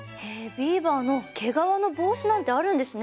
ビーバーの毛皮の帽子なんてあるんですね。